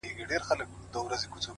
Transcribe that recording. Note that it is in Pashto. دا دی د ژوند و آخري نفس ته ودرېدم”